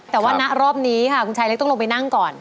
แต่ว่าณรอบนี้ค่ะคุณชายเล็กต้องลงไปนั่งก่อน